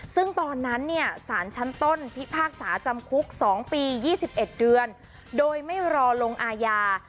ซึ่งตอนนั้นเนี่ยสารชั้นต้นพิพากษาจำคุก๒ปี๒๑เดือนโดยไม่รอลงอาญา